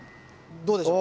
どうでしょう？